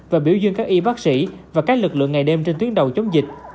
và biểu dương các y bác sĩ và các lực lượng ngày đêm trên tuyến đầu chống dịch